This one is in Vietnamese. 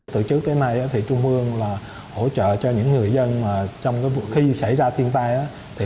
từ trước tới nay trung hương hỗ trợ cho những người dân trong khi xảy ra thiên tai